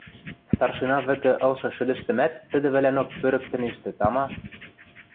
Старшина вӹкӹ ылшы шӹдӹштӹмӓт тӹдӹ вӹлӓнок пӧрӹктӹнештӹ, тама.